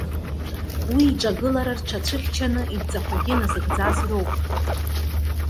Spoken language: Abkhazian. Уи иҿагылара рҽацәыхьчаны, идҵақәагьы назыгӡаз роуп.